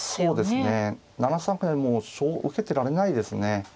もうそう受けてられないですね。